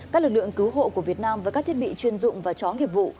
các lực lượng cứu hộ của việt nam với các thiết bị chuyên dụng và chó nghiệp vụ